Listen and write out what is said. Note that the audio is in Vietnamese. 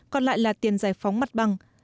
còn lại là tiền giải phóng mặt bằng